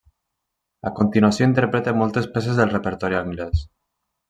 A continuació interpreta moltes peces del repertori anglès.